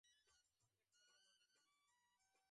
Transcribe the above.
সঙ্গে সঙ্গে চলল ওদের কুদৃষ্টি।